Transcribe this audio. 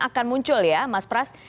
akan muncul ya mas pras